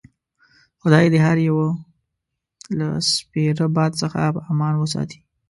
خدای دې هر یو له سپیره باد څخه په امان وساتي.